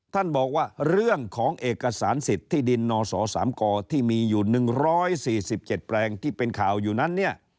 ท่านบอกว่าเรื่องของเอกสารสิทธิ์ที่ดินนศ๓กที่มีอยู่๑๔๗แปลงที่เป็นข่าวอยู่นั้นเนี่ย